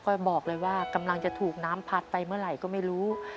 ก็บอกเลยว่ากำลังจะถูกน้ำพัดไปเมื่อไหร่ก็ไม่รู้